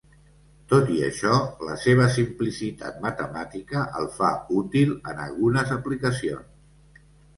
Tot i això, la seva simplicitat matemàtica el fa útil en algunes aplicacions.